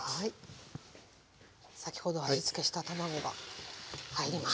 先ほど味付けした卵が入ります。